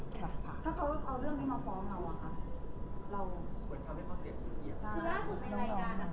ถ้าเขาเอาเรื่องนี้มาฟอร์มเราเราควรทำได้ประเทศจริง